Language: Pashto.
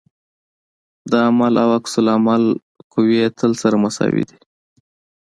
د عمل او عکس العمل قوې تل سره مساوي دي.